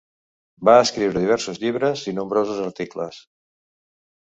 Va escriure diversos llibres i nombrosos articles.